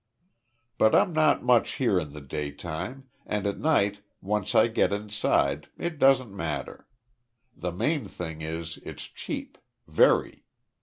"But I'm not much here in the daytime, and at night, once I get inside it doesn't matter. The main thing is it's cheap very.